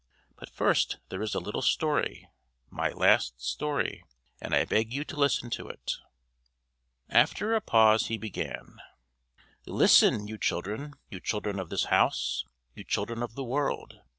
But first there is a little story my last story; and I beg you to listen to it." After a pause he began: "Listen, you children! You children of this house, you children of the world!